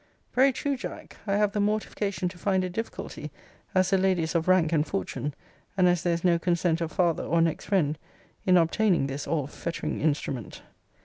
Very true, Jack. I have the mortification to find a difficulty, as the lady is of rank and fortune, and as there is no consent of father or next friend, in obtaining this all fettering instrument.